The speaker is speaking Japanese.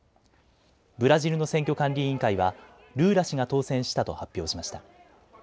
ブラジルの選挙管理委員会はルーラ氏が当選したと発表しました。